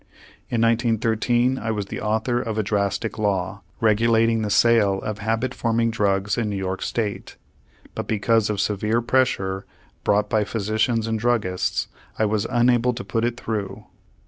In 1913 I was the author of a drastic law regulating the sale of habit forming drugs in New York State, but because of severe pressure brought by physicians and druggists, I was unable to put it through.